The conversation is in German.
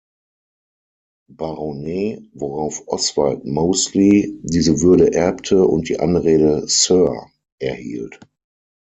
Baronet, worauf Oswald Mosley diese Würde erbte und die Anrede "Sir" erhielt.